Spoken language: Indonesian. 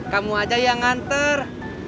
kamu aja yang nganter